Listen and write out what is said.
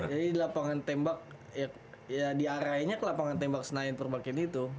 jadi di lapangan tembak ya diarahinnya ke lapangan tembak senayan purba kini tuh